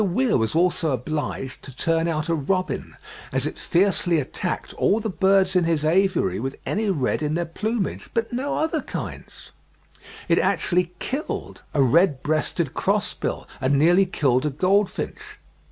Weir was also obliged to turn out a robin, as it fiercely attacked all the birds in his aviary with any red in their plumage, but no other kinds; it actually killed a red breasted crossbill, and nearly killed a goldfinch.